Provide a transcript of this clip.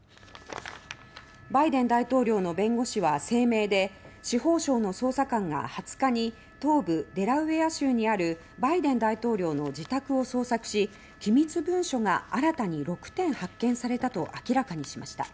バイデン大統領の弁護士は声明で司法省の捜査官が２０日に東部デラウェア州にあるバイデン大統領の自宅を捜索し機密文書が新たに６点発見されたと明らかにしました。